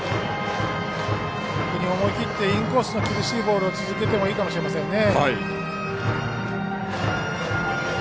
思い切ってインコースの厳しいボールを続けてもいいかもしれませんね。